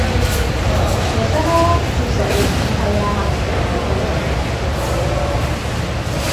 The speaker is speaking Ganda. Yasalawo okukyusa eppipa y'amafuta n'agizza ku mmotoka ye.